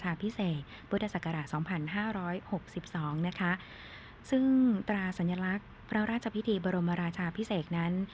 ตอนนี้นะครับและสำหรับในช่วงนี้นะคะขอนุญาตนำคุณผู้ชมขาดมารับทราบข้อมูลนะคะ